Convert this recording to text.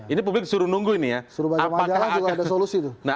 ini publik suruh nunggu ini ya